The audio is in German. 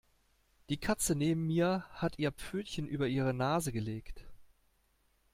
Die Katze neben mir hat ihr Pfötchen über ihre Nase gelegt.